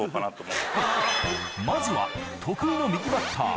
まずは得意の右バッター